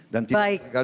dan tidak akan